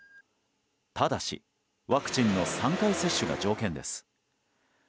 ただしワクチンの３回接種が条件です。